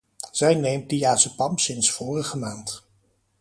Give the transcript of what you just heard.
Zij neemt diazepam sinds vorige maand.